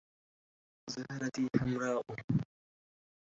زهرتي حمراءُ